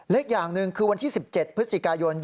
อีกอย่างหนึ่งคือวันที่๑๗พฤศจิกายน